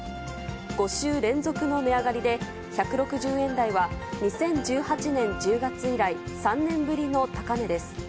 ５週連続の値上がりで、１６０円台は２０１８年１０月以来、３年ぶりの高値です。